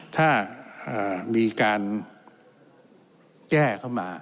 ถ้ามีการแก้เข้ามา